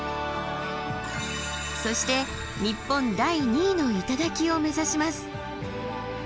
そして日本第２位の頂を目指します。